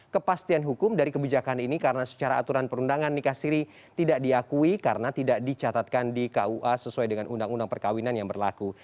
kepastian hukum dari kebijakan ini karena secara aturan perundangan nikah siri tidak diakui karena tidak dicatatkan di kua sesuai dengan undang undang perkawinan yang berlaku